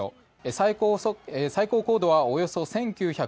最高高度はおよそ１９２０ｋｍ